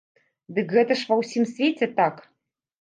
Дык гэта ва ўсім свеце так.